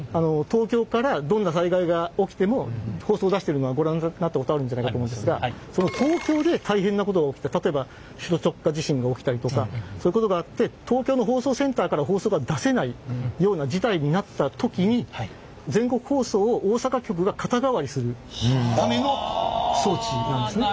東京からどんな災害が起きても放送を出してるのはご覧になったことあるんじゃないかと思うんですがその東京で大変なことが起きた例えば首都直下地震が起きたりとかそういうことがあって東京の放送センターから放送が出せないような事態になった時に全国放送を大阪局が肩代わりするための装置なんですね。